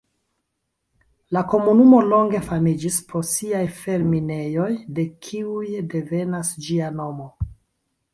La komunumo longe famiĝis pro siaj fer-minejoj, de kiuj devenas ĝia nomo.